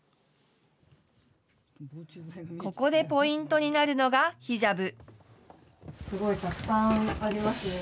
ここでポイントになるのがヒジャブ。